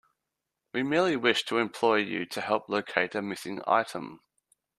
We merely wish to employ you to help locate a missing item.